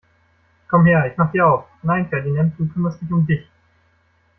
Komm her, ich mach dir auf! Nein Ferdinand, du kümmerst dich um dich!